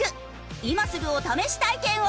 今すぐお試し体験を。